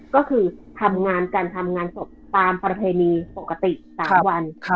ก็คือทำงานการทำงานศพตามประเพณีปกติ๓วัน